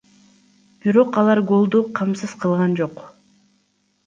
Бирок алар голду камсыз кылган жок.